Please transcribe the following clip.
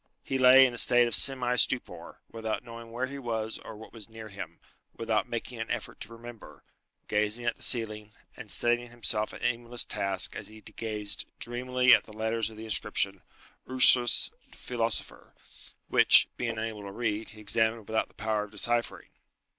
He lay in a state of semi stupor, without knowing where he was or what was near him, without making an effort to remember, gazing at the ceiling, and setting himself an aimless task as he gazed dreamily at the letters of the inscription "Ursus, Philosopher" which, being unable to read, he examined without the power of deciphering.